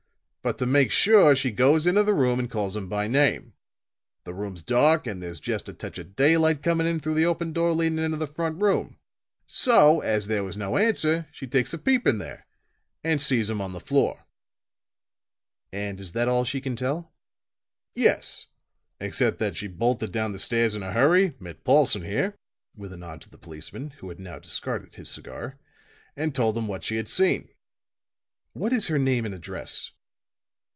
But to make sure, she goes into the room and calls him by name. The room's dark and there's just a touch of daylight coming in through the open door leading into the front room. So as there was no answer, she takes a peep in there and sees him on the floor." "And is that all she can tell?" "Yes; except that she bolted down the stairs in a hurry, met Paulson here," with a nod to the policeman, who had now discarded his cigar, "and told him what she had seen." "What is her name and address?"